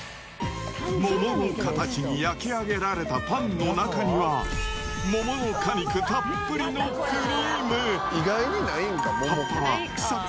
桃の形に焼き上げられたパンの中には、桃の果肉たっぷりのクリーム。